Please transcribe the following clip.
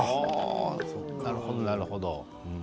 なるほど、なるほど。